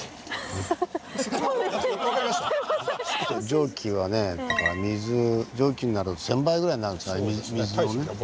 蒸気はねだから水蒸気になると１，０００倍ぐらいになるんですかね水のね。